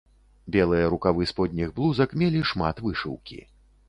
Белыя рукавы сподніх блузак мелі шмат вышыўкі.